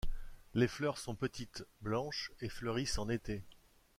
Les fleurs sont petites, blanches, et fleurissent en été.